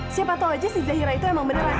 siapa tahu saja zaira itu memang benar